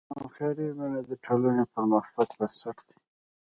همکاري او مینه د ټولنې د پرمختګ بنسټ دی.